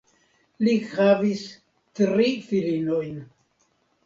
Li havis tri filinojn.